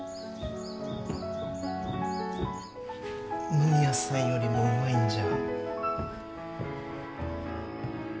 野宮さんよりもうまいんじゃ。